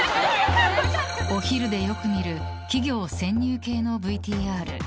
お昼でよく見る企業潜入系のＶＴＲ。